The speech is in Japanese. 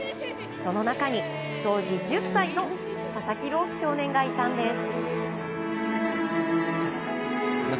その中に、当時１０歳の佐々木朗希少年がいたんです。